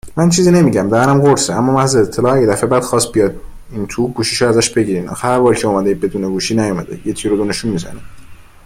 من چیزی نمیگم. دهنم قرصه. اما محض اطلاع اگه دفعه بعد خواست بیاد این تو، گوشیشو ازش بگیرین. آخه هر بار که اومده بدون گوشی نیومده، یه تیرو دونشون میزنه.